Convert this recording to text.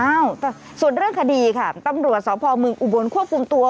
เอ้าส่วนเรื่องคดีค่ะตำรวจสพเมืองอุบลควบคุมตัว